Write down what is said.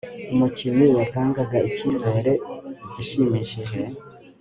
umukinnyi watangaga icyizere igishimishije